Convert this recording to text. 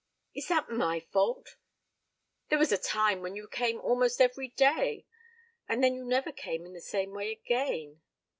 "Is that my fault? There was a time when you came almost every day. And then you never came in the same way again."